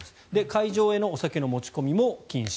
会場へのお酒の持ち込みも禁止。